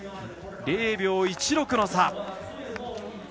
０秒１６の差。